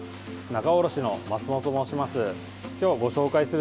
仲卸の松本と申します。